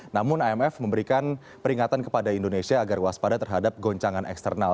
namun imf memberikan peringatan kepada indonesia agar waspada terhadap goncangan eksternal